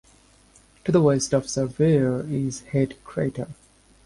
To the west of Surveyor is Head crater.